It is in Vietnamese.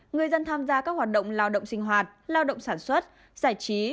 người dân tham gia các hoạt động lao động sinh hoạt lao động sản xuất giải trí